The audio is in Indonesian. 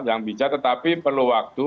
yang bijak tetapi perlu waktu